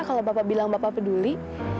kalau bapak bilang bapak peduli